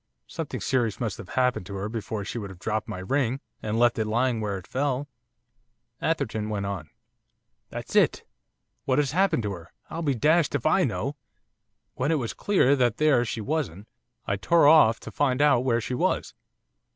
Something serious must have happened to her before she would have dropped my ring, and left it lying where it fell.' Atherton went on. 'That's it! What has happened to her! I'll be dashed if I know! When it was clear that there she wasn't, I tore off to find out where she was.